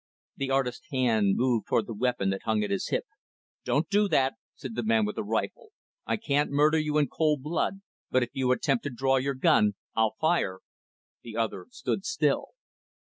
The artist's hand moved toward the weapon that hung at his hip. "Don't do that," said the man with the rifle. "I can't murder you in cold blood; but if you attempt to draw your gun, I'll fire." The other stood still.